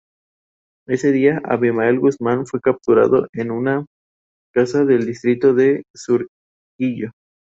Ese día, Abimael Guzmán fue capturado en una casa del distrito de Surquillo.